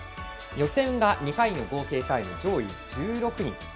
予選が２回の合計タイム上位１６人。